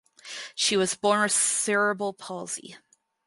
She was born with cerebral palsy.